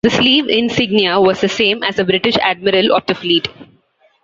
The sleeve insignia was the same as a British Admiral of the Fleet.